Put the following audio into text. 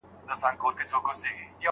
ړوند ډاکټر په ګڼ ځای کي اوږده کیسه کوي.